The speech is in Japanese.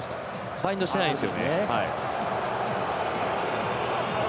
バインドしてないんです。